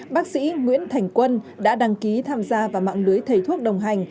bác sĩ nguyễn thành quân đã đăng ký tham gia vào mạng lưới thầy thuốc đồng hành